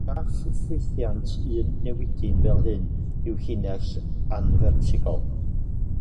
Graff ffwythiant un newidyn fel hyn yw llinell anfertigol.